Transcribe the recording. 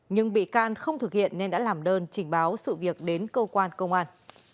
nhưng bị can không thực hiện nên đã làm đơn trình báo sự việc đến cơ quan công an